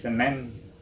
saya sudah menang